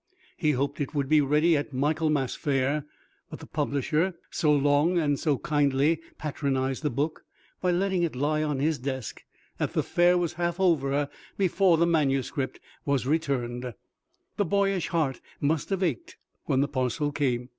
He hoped it would be ready at Michaelmas fair, but the publisher "so long and so kindly patronized the book by letting it lie on his desk, that the fair was half over before the manuscript was returned." The boyish heart must have ached when the parcel came.